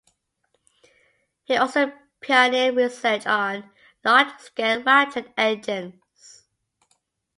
He also pioneered research on large-scale ramjet engines.